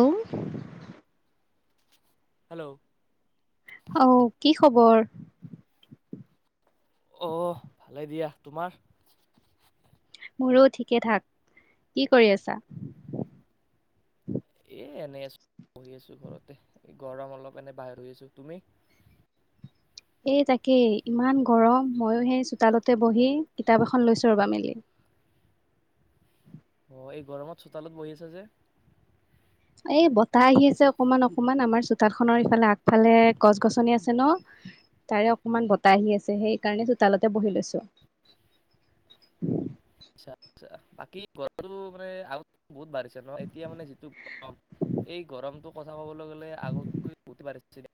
উ। হেল্ল'। অহ কি খবৰ? অহ ভালে দিয়া। তোমাৰ? মোৰো ঠিকে ঠাক। কি কৰি আছা? এ এনেই আছো বহি আছো ঘৰতে গৰম অলপ এনে বাহিৰ আছো তুমি। এই তাকেই ইমান গৰম ময়ো সেই চোতালতে বহি কিতাপ এখন লৈছোঁ ৰ'বা মেলি। অঁ এই গৰমত চোতালত বহি আছা যে। এই বতাহ আহি আছে অকমান অকমান আমাৰ চোতাল খনৰ ইফালে আগফালে গছ গছনি আছে ন তাৰে অকমান বতাহ আহি আছে সেইকাৰণে চোতালতে বহি লৈছো। আচ্ছা বাকি ঘৰটো মানে। বহুত বাঢ়িছে ন এতিয়া মানে যিটো গৰম এই গৰমটো। কথা ক'বলৈ। লে আগতকৈ বহুত পাৰে। চ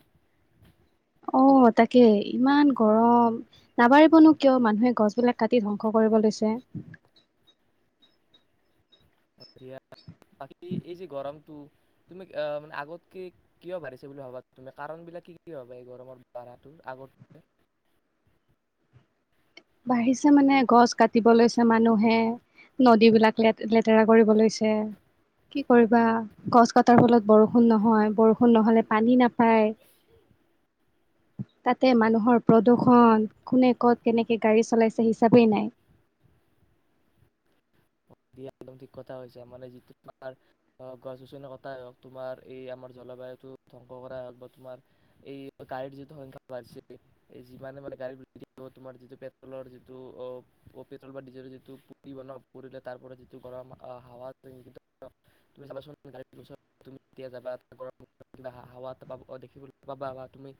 [unintelligible] অ তাকে ইমান গৰম নাবাৰিবনো কিয় মানুহে গছবিলাক কাটি ধ্বংস কৰিব লৈছে। বাকী। এই যে গৰমটো তুমি মানে আগতকে কিয় বাঢ়িছে বুলি ভাবা। তুমি কাৰণবিলাক কি কি ভবা এই গৰমৰ ভঢ়াটোৰ আগতক। বাঢ়িছে মানে গছ কাটিব লৈছে। মানুহে নদী বিলাক ল লেতেৰা কৰিব লৈছে। কি কৰিবা গছ কটাৰ ফলত বৰষুণ নহয়। বৰষুণ নহলে পানী নাপ। হয়। তাতে মানুহৰ প্ৰদূৰ্ষন কোনে ক'ত কেনেকৈ। সেই গাড়ী চলাইছে হিচাপেই নাই। দা একদম ঠিক কথা হৈছে মানে যিটো তোমাৰ গছ গছনি কটাই হওক তোমাৰ এই আমাৰ জলবায়ুতটো ধ্বংস কৰাই হওক বা তোমাৰ এই গাড়ীৰ যিটো সংখ্যা বাঢিছে যিমানে মানে গাড়ী কিবা তোমাৰ যিটো পেট্ৰলৰ যিটো অ পেট্ৰল বা ডিজেলৰ যিটো [unintelligible] লে তাৰ পৰা যিটো গৰম আহ হাৱা তুমি চাবাচোন গাুম যাবা গৰ হা দেখিবলৈ পাবা বা তুমি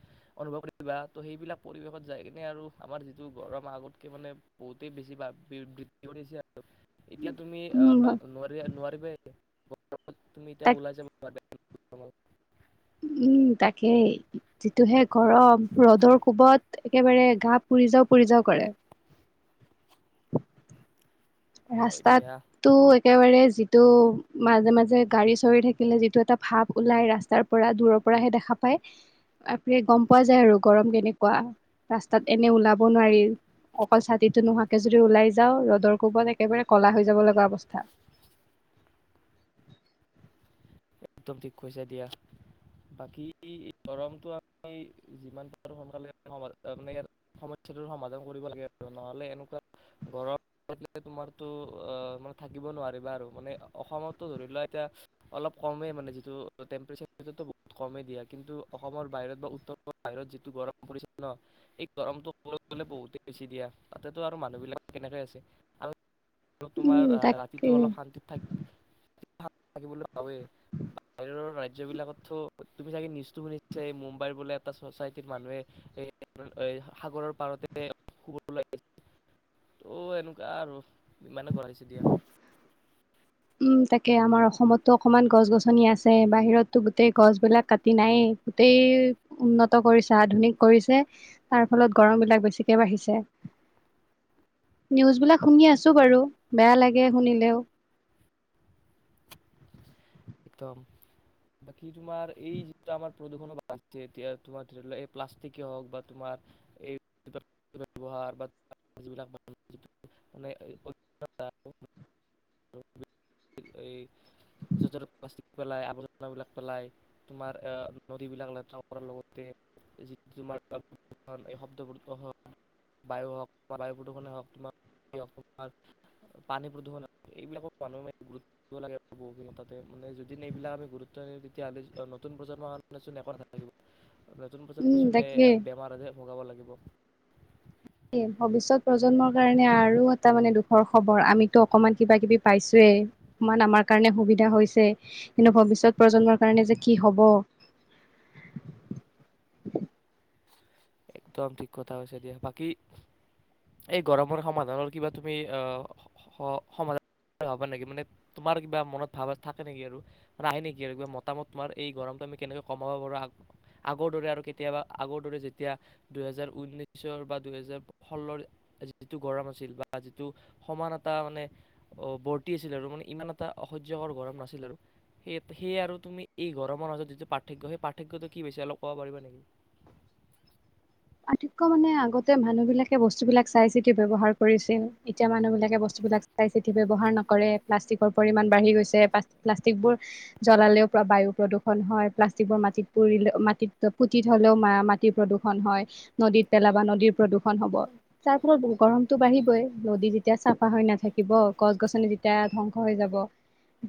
অনুভৱ কৰিবা ত সেইবিলাক পৰিৱেশত যায় কিনে আৰু আমাৰ যিটো গৰম আগতকে মানে বহুতেই বেছি বৃদ্ধি কৰিছে। এতিয়া। তুমি উম নোৱাৰি নোৱাৰ। [unintelligible] ম তুমি ত তাক ওলাই [unintelligible] [inaudible] উম তাকেই যিটোহে গৰম ৰ'দৰ কোবত একেবাৰে গা পুৰি যাও পুৰি যাও কৰে অ দিয়া ৰাস্তাতটো একেবাৰে যিটো মাজে মাজে গাড়ী চৰি থাকিলে যিটো এটা ভাপ ওলাই ৰাস্তাৰ পৰা দূৰৰ পৰাহে দেখা পায় আপ গম পোৱা যায় আৰু গৰম কেনেকুৱা ৰাস্তাত এনে ওলাব নোৱাৰি অকল ছাতিটো নোহোৱাকে যদি ওলাই যাওঁ ৰ'দৰ কোবত একেবাৰে কলা হৈ যাব লগা অৱস্থা একদম ঠিক হৈছে দিয়া বাকী গৰমটো আি যিমান পাৰোঁ সোনকালে মানে সমস্যাটোৰ সমাধান কৰিব লাগে আৰু নহ'লে এনেকুৱা গৰম থ তোমাৰতো মানে থাকিব নোৱাৰিবা আৰু মানে অসমতো ধৰি লোৱা এতিয়া অলপ কমেই মানে যিটো টেম্পৰেচাৰ সিটো বহুত কমেই দিয়া কিন্তু অসমৰ বাহিৰত বা উত্তৰ পূৰ বাহিৰত যিটো গৰম পৰিছে ন স গৰমটো ক'ব গ'লে বহুতেই বেছি দিয়া তাতেতো আৰু মানুহবিলাক কেনেকৈ আছে আৰু আৰু তোমাৰ উম তাকে ৰাতিটো অলপ শান্তিত থাক ভ থাকিবলৈ বাহিৰৰ ৰাজ্যবিলাকত তু তুমি চাগে নিজটো শুনিছে মুম্বাইৰ বোলে এটা চচাইটিৰ মানুহে এই সাগৰৰ পাৰতে শুবছে ত' এনেকুৱা আৰু ইমানে গঢ় দিছে দিয়া উম তাকে আমাৰ অসমতো অকনমান গছ গছনি আছে বাহিৰততো গোটেই গছবিলাক কাটি নাই গোটেই উন্নত কৰিছে আধুনিক কৰিছে তাৰ ফলত গৰম বিলাক বেছিকে বাঢ়িছে নিউজ বিলাক শুনি আছো বাৰু বেয়া লাগে শুনিলেও একদম বাকী তোমাৰ এই যিটো আমাৰ প্ৰদূষণো বাঢ়িছে এতিয়া তোমাৰ ধৰি এই প্লাষ্টিকে হওক বা তোমাৰ এই ব্যৱহাৰ বা যিবিলাক মানে য'' প্লািক পেলাই আৱৰ্জাবলাক পেলাই তোমাৰ এ নদীবিলাক লতে কৰাৰ লগতে যিটো তোমাৰ শব্দ বায়ু হওক বায়ু প্ৰদূষণে হওকোমাৰ পানী প্ৰদূষণ এইবিলাকক মানুহে গুৰুত্ব দিব লাগে বহুখিনি তাতে মানে যদি এইবিলাক আমি গুৰুত্ব দিওঁ তেতিয়াহ'লে নতুন প্ৰজন্মৰক চোন একটা [unintelligible] নতুন পছত উম পৈছ ন তাকে বেমাৰ আ যে ভগাব লাগিব ভৱিষ্যত প্ৰজন্মৰ কাৰণে আৰু এটা মানে দুখৰ খবৰ আমিতো অকমান কিবা কিবি পাইছোয়ে অকমান আমাৰ কাৰণে সুবিধা হৈছে কিন্তু ভৱিষ্যত প্ৰজন্মৰ কাৰণে যে কি হব একদম ঠিক কথা হৈছে দিয়া বাকী এই গৰমৰ সমাধানৰ কিবা তুমি আহ সমাধান হবা নেকি মানে তোমাৰ কিবা মনত ভাৱ থাকে নেকি আৰু ৰাে নেকি আৰু কা মতামত তোমাৰ এই গৰমটো আমি কেনেকে কমাব পাৰো আগৰ দৰে আৰু কেতিয়াবা আগৰ দৰে এতিয়া দুহেজাৰ উনৈশৰ বা দুহেজাৰ ষোল্লৰ যিটো গৰম আছিল বা যিটো সমান এটা মানে বৰ্তি আছিল আৰু মানে ইমান এটা অসহয্যকৰ গৰম নাছিল আৰু সেই সেয়ে আৰু তুমি এই গৰমৰ মজত যিটো পাৰ্থক্য সেই পাৰ্থক্যটো কি বিছে অলপ ক'ব পাৰিবা নেকি পাথক্য মানে আগতে মানুহ বিলাকে বস্তু বিলাক চাই চিতি ব্যৱহাৰ কৰিছিল এতিয়া মানুহবলাকে বস্তুবিলাক চাই চিতি ব্যৱহাৰ নকৰে প্লাষ্টিকৰ পৰিমাণ বাঢ়ি গৈছে নেকি প্লাষ্টিক বোৰ জ্বলালেও বায়ু প্ৰদূৰন হয় প্লাষ্টিক বোৰ মাটিত পুলে মাটিত পুতি থলেওঁ মাটি প্ৰদূৰণ হয় নদীত পেলাবা নদীৰ প্ৰদূষন হব তাৰ ফলত গৰমটো বাঢ়িবই নদী যেতিয়া চাফা হৈ নাথাকিব গছ গছনি যেতিয়া ধ্বংস হৈ যাব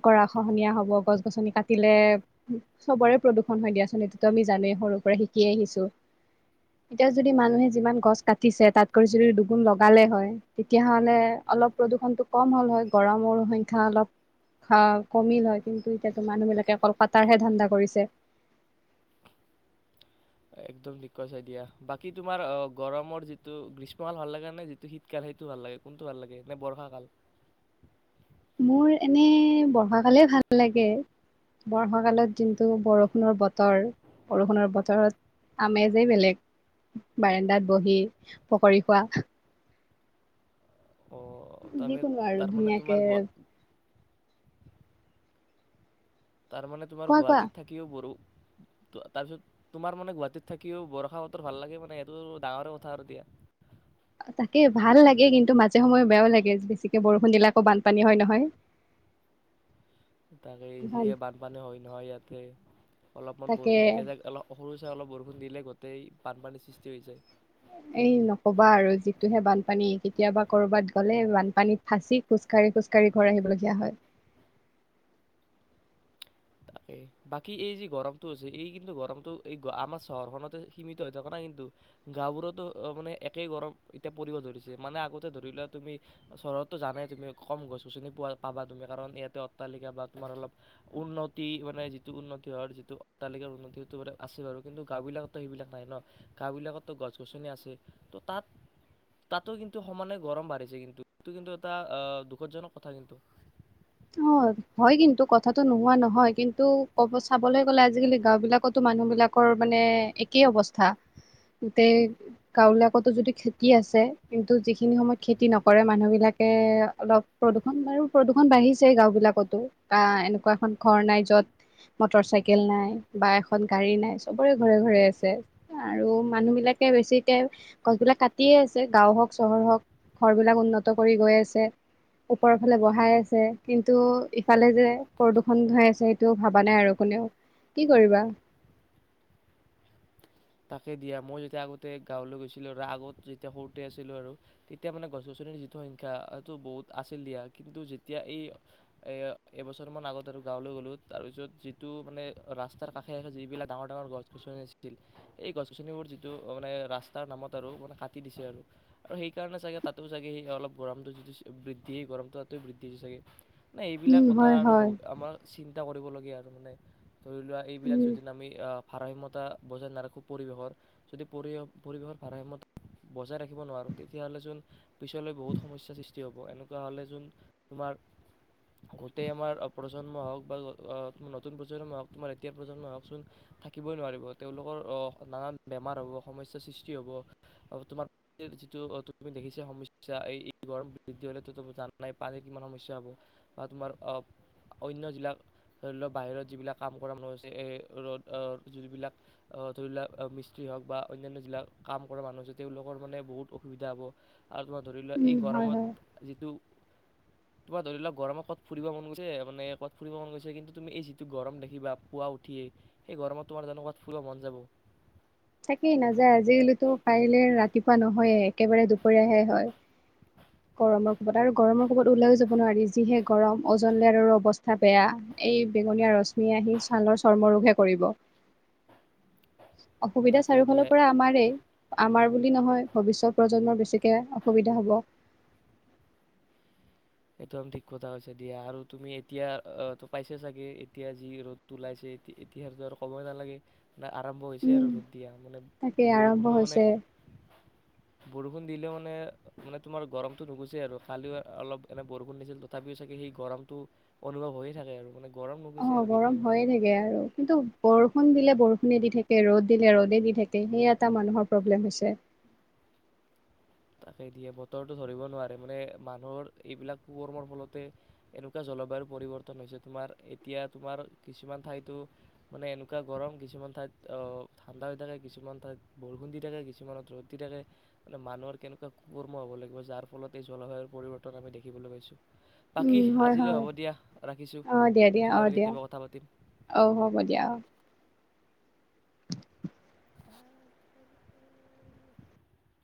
কৰাৰা খহনীয়া হব গছ গছনি কাটিলে চবৰে প্ৰদূষন হৈ দিয়াচনটো আমি জানোৱেই সৰুৰ পৰা শিকি আহিছো এতিয়া যদি মানুহে যিমান গছ কাটিছে তাতকৈ যদি দুগুন লগালে হয় তেতিয়াহলে অলপ প্ৰদূষণটো কম হ'ল হয় গৰমৰ সংখ্যা অলপ কমিল হয় কিন্তু এতিয়াতো মানুহ বিলাকে অকল কাতাৰহে ধান্দা কৰিছে একদম ঠিক কৰিছে দিয়া বাকী তোমাৰ অহ গৰমৰ যিটো গ্ৰীষ্মকাল ভাল লাগে নে যিটো শীতকাল সেইটো ভাল লাগে কোনটো ভাল লাগে নে বৰ্ষা কাল মোৰ এনে বৰ্ষাকালেই ভাল লাগে বৰ্ষাকালত যোনটো বৰষুণৰ বতৰ বৰষুণৰ বতৰত আমেজেই বেলেগ বাৰাণ্ডাত বহি পকৰি খোৱা অ তাৰমানে যিকোনো আৰু তাৰমানে তোমাৰ ধুনীয়াকে গুৱা তাৰ মানে তোমাৰ কোৱা কোৱা গুৱাহাটীত থাকিও বৰু তাৰপিছত তোমাৰ মানে গুৱাহাটীত থাকিও বৰষা বতৰ ভাল লাগে মানে এইটো ডাঙৰে কথা আৰু দিয়া তাকে ভাল লাগে কিন্তু মাজে সময়ে বেয়াও লাগে বেছিকে বৰষুণ দিলে আকৌ বানপানী হয় নহয় তাকে যিয়ে বানপানী হয় নহয় ইয়াত তাকেই অলপমান তাকে বৰষুণ এজাক অলপ সৰু চাই অলপ বৰষুণ দিলে গোটেই বানপানীৰ সৃষ্টি হৈ যায় এই নকবা আৰু যিটোহে বানপানী কেতিয়াবা কৰবাত গ'লে বানপানীত ফাঁচি খোজ কাঢ়ি খোজ কাঢ়ি ঘৰ আহিবলগীয়া হয় তাকেই বাকী এই যি গৰমতটো এই হৈছে এই কিন্তু গৰমতটো এই আমাৰ চহৰখনতে সীমিত হৈ থকা নাই কিন্তু গাঁওবোৰতো মানে একেই গৰম এতিয়া পৰিব ধৰিছে মানে আগতে ধৰি লোৱা তুমি চহৰতো জানে তুমি কম গছ গছনি পোৱা পাবা তুমি কাৰণ ইয়াতে অট্টালিকা বা তোমাৰ অলপ উন্নত উন্নতি মানে যিটো উন্নতি হয় যিটো অট্টালিকাৰ উন্নতি সেইটো আছে বাৰু কিন্তু গাঁওবিলাকতো সেইবিলাক নাই নহ। গাঁওবিলাকত গছ- গছনি আছে তহ তাত তাতো কিন্তু সমানে গৰম বাঢ়িছে কিন্তু সেইটো কিন্তু এটা দুখদজনক কথা কিন্তু অহ হয় কিন্তু কথাটো নোহোৱা নহয় কিন্তু ক'ব চাবলৈ গ'লে আজিকালি গাওঁ বিলাকতো মানুহ বিলাকৰ মানে একেই অৱস্থা গোটেই গাওঁবিলাকতো যদি খেতি আছে কিন্তু যিখিনি সময়ত খেতি নকৰে মানুহ বিলাকে অলপ প্ৰদূষণ বাৰু প্ৰদূষণ বাঢ়িছে আছে গাঁওবিলাকতো বা এনেকুৱা এখন ঘৰ নাই যত মটৰ চাইকেল নাই বা এখন গাড়ী নাই চবৰে ঘৰে ঘৰে আছে আৰু মানুহ বিলাকে বেছিকে গছবিলাক কাটিয়ে আছে গাঁও হওক চহৰ হওক ঘৰবিলাক উন্নত কৰি গৈ আছে ওপৰৰ ফালে বহাই আছে কিন্তু ইফালে যে প্ৰদূষণ হৈ আছে সেইটো ভবা নাই আৰু কোনেও কি কৰিবা তাকে দিয়া মই যেতিয়া আগতে গাঁৱলৈ গৈছিলোঁ আগত যেতিয়া সৰুতে আছিলোঁ আৰু তেতিয়া মানে গছ- গছনিৰ যিটো সংখ্যা সিটো বহুত আছিল দিয়া কিন্তু যেতিয়া এই এবছৰমান আগত আৰু গাঁৱলৈ গ'লোঁ তাৰপিছত যিটো মানে ৰাস্তাৰ কাষে কাষে যিবিলাক ডাঙৰ ডাঙৰ গছ গছনি আছিল এই গছ গছনিবোৰ যিটো মানে ৰাস্তাৰ নামত আৰু মানে কাটি দিছে আৰু আৰু সেইকাৰণে চাগে তাতো চাগে সেই অলপ গৰমটো যিটো বৃদ্ধি গৰমটো তাত বৃদ্ধি হৈছে চাগে নে এইবিলাক উম কথা হয় আৰু হয় বহু আমাৰ চি চিন্তা কৰিবলগীয়া আৰু মানে ধৰি লোৱা এইবিলাক উম যদি আমি ভাৰাসাম্যতা বজাই নাৰাখোঁ পৰিৱেশৰ যদি পৰি পৰিৱেশৰ ভাৰাসাম্যত বজাই ৰাখিব নোৱাৰোঁ তেতিয়াহ'লে চোন পিছলৈ বহুত সমস্যাৰ সৃষ্টি হ'ব এনেকুৱা হ'লে চোন তোমাৰ গোটেই আমাৰ প্ৰজন্মই হওক বা নতুন প্ৰজন্মই হওক তোমাৰ এতিয়া প্ৰজন্মই হওকচোন থাকিবই নোৱাৰিব তেওঁলোকৰ নানা বেমাৰ হ'ব সমস্যাৰ সৃষ্টি হ'ব তোমাৰ যিটো তুমি দেখিছা সমস্যা এই গৰম বৃদ্ধি হ'লেতো যানাই নাই পানীৰ কিমান সমস্যা হ'ব বা তোমাৰ অন্য যিবিলাক ধৰি লওক বাহিৰত যিবিলাক কাম কৰা মানুহ আছে এই ৰ'দ যিবিলাক অহ ধৰি লোৱা মিস্ত্ৰী হওক বা অন্যন্যা যিবিলাক কাম কৰা মানুহ আছে তেওঁলোকৰ মানে বহুত অসুবিধা হ'ব আৰু তোমাৰ ধৰি লোৱা এই উম হয় গৰমত হয় যিটো তোমাৰ ধৰি লোৱা গৰমত ক'ত ফুৰিব মন গৈছে মানে ক'ত ফুৰিব মন গৈছে কিন্তু তুমি এই যিটো গৰম দেখিবা পুৱা উঠিয়েই সেই গৰমত তোমাৰ জানো কৰবাত ফুৰিব মন যাব তাকেই নাযায় আজিকালিতো পৰিলে ৰাতিপুৱা নহয়ে একেবাৰে দুপৰীয়াহে হয় গৰমৰ কোবত আৰু গৰমৰ কোবত ওলায়ো যাব নোৱাৰি যিহে গৰম অজন লেয়াৰৰো অৱস্থা বেয়া এই বেঙনীয়া ৰশ্মি আহি ছালৰ চৰ্ম ৰোগহে কৰিব অসুবিধা তাকে দিয়া চাৰিওফালৰ পৰা আমাৰ আমাৰ বুলি নহয় ভৱিষ্যত প্ৰজন্মৰ বেছি এয়া অসুবিধা হ'ব একদম ঠিক কথা হৈছে দিয়া আৰু তুমি এতিয়া পাইছে চাগে এতিয়া যি ৰ'দটো ওলাইছে এতিয়াৰটো আৰু ক'বই নালাগে নে আৰম্ভ হৈছে আৰু ৰ'দ দিয়া মানে তাকেই আৰম্ভ বৰষুণো মানে হৈছে বৰষুণ দিলে মানে মানে তোমাৰ গৰমতো নুগুছে আৰু খালি অলপ এনে বৰষুণ দিছিল তথাপিও চাগে সেই গৰমটো অনুভৱ হৈয়ে থাকে আৰু মানে গৰম নুগুছে অহ আৰু গৰম কেতিয়াও। হয়ে থাকে আৰু কিন্তু বৰষুণ দিলে বৰষুণে দি থাকে ৰ'দ দিলে ৰ'দে দি থাকে সেই এটা মানুহৰ প্ৰব্লেম হৈছে তাকে দিয়ে বতৰটো ধৰিব নোৱাৰে মানে মানুহৰ এইবিলাক কু কৰ্মৰ ফলতে এনেকুৱা জলবায়ু পৰিৱৰ্তন হৈছে তোমাৰ এতিয়া তোমাৰ কিছুমান ঠাইতো মানে এনেকুৱা গৰম কিছুমান ঠাইত অহ ঠাণ্ডা হৈ থাকে কিছুমান ঠাইত বৰষুণ দি থাকে কিছুমানত ৰ'দ দি থাকে মানে মানুহৰ কেনেকুৱা কুকৰ্ম হ'ব লাগিব যাৰ ফলত এই জলসায়ুৰ পৰিৱৰ্তন আমি দেখিবলৈ পাইছোঁ। উম, বাকী আজিলৈ হয়-হয় হ'ব দিয়া ৰাখিছোঁ অ' দিয়া দিয়া পিছত আৰু অ' দিয়া কেতিয়াবা কথা পাতিম অ' হ'ব দিয়া অ' অ'